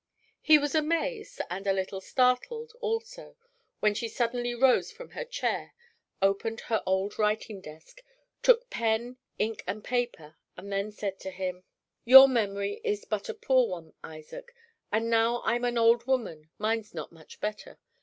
He was amazed, and a little startled, also, when she suddenly rose from her chair, opened her old writing desk, took pen, ink and paper, and then said to him: "Your memory is but a poor one, Isaac, and, now I'm an old woman, mine's not much better.